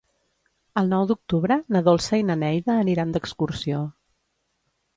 El nou d'octubre na Dolça i na Neida aniran d'excursió.